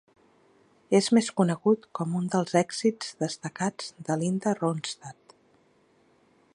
És més conegut com un dels èxits destacats de Linda Ronstadt.